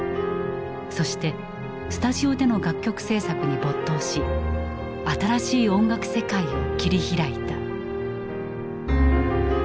そしてスタジオでの楽曲制作に没頭し新しい音楽世界を切り開いた。